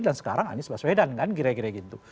dan sekarang anies baswedan kan kira kira gitu